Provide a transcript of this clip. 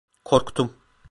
Korktum.